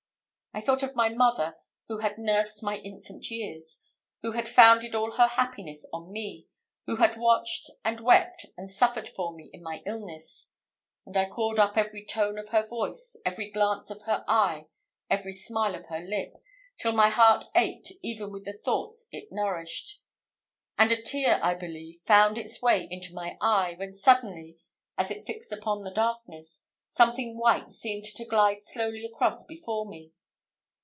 I thought of my mother, who had nursed my infant years, who had founded all her happiness on me who had watched, and wept, and suffered for me, in my illness; and I called up every tone of her voice, every glance of her eye, every smile of her lip, till my heart ached even with the thoughts it nourished; and a tear, I believe, found its way into my eye when suddenly, as it fixed upon the darkness, something white seemed to glide slowly across before me.